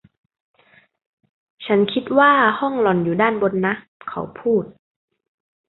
“ฉันคิดว่าห้องหล่อนอยู่ด้านบนนะ” เขาพูด